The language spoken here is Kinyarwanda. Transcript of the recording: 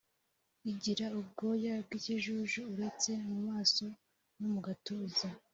Igira ubwoya bw’ikijuju, uretse mu maso no mu gatuza